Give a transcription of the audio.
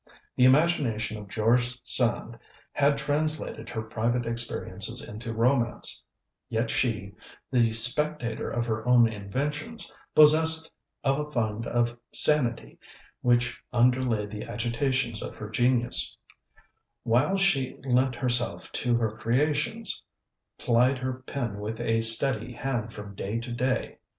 The imagination of George Sand had translated her private experiences into romance; yet she, the spectator of her own inventions, possessed of a fund of sanity which underlay the agitations of her genius, while she lent herself to her creations, plied her pen with a steady hand from day to day.